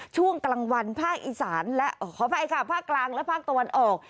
ช่วงกลางวันภาคอีสานและขออภัยค่ะภาคกลางและภาคตะวันออก